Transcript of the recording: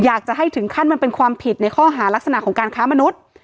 อยากจะให้ถึงขั้นมันเป็นความผิดในข้อหารักษณะของการค้ามนุษย์